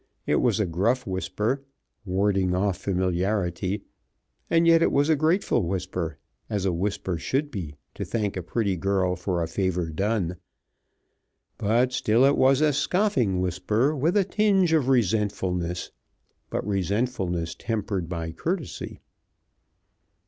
It was a gruff whisper, warding off familiarity, and yet it was a grateful whisper, as a whisper should be to thank a pretty girl for a favor done, but still it was a scoffing whisper, with a tinge of resentfulness, but resentfulness tempered by courtesy.